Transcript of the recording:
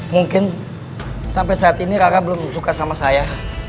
mungkin sampai saat ini rara belum suka sama saya